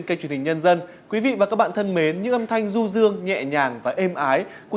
kênh truyền hình nhân dân quý vị và các bạn thân mến những âm thanh du dương nhẹ nhàng và êm ái của